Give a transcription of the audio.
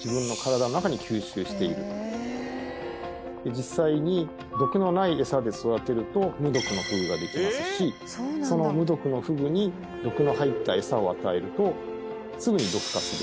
実際に毒のないエサで育てると無毒のフグができますしその無毒のフグに毒の入ったエサを与えるとすぐに毒化する。